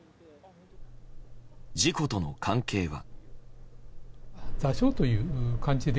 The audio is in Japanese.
事故との関係は。